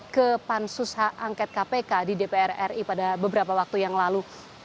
ke pansus hak angket kpk di dpr ri pada beberapa waktu yang lalu